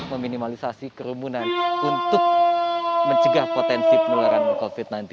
meminimalisasi kerumunan untuk mencegah potensi penularan covid sembilan belas